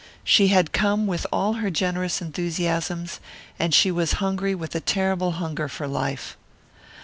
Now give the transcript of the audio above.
She had come with all her generous enthusiasms; and she was hungry with a terrible hunger for life.